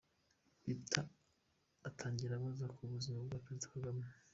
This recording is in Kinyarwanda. Peter atangira abaza ku buzima bwa Perezida Kagame.